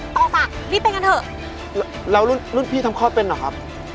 ตอบค่ะรีบไปกันเถอะเรารุ่นพี่ทำข้อเป็นเหรอครับ